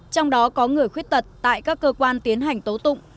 trong đó có người khuyết tật tại các cơ quan tiến hành tố tụng